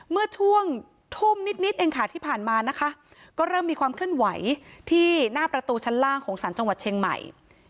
เมื่อช่วงทุ่มนิดเองค่ะที่ผ่านมานะคะก็เริ่มมีความเคลื่อนไหวที่หน้าประตูชั้นล่างของสารจังหวัดเชียงใหม่